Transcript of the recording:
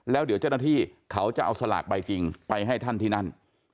แล้วเดี๋ยวเจ้าหน้าที่เขาจะเอาสลากใบจริงไปให้ท่านที่นั่น